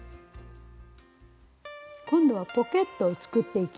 今度はポケットを作っていきます。